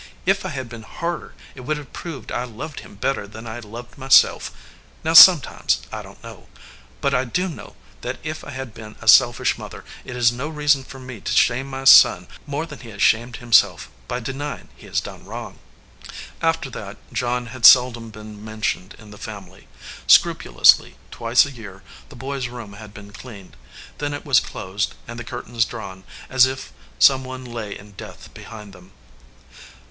"If I had been harder it would have proved I loved him better than I loved myself. Now, sometimes, I don t know. But I do know that if I have been a selfish mother, it is no reason for me to shame my son more than he has shamed himself, by denying he has done wrong." 309 EDGEWATER PEOPLE After that John had seldom been mentioned in the family. Scrupulously, twice a year, the boy s room had been cleaned. Then it was closed, and the curtains drawn, as if some one lay in death be hind them.